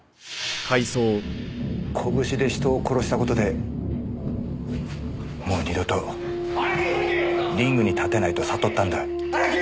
拳で人を殺した事でもう二度とリングに立てないと悟ったんだ。